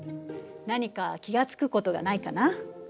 何か気が付くことがないかな？